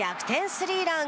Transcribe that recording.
スリーラン。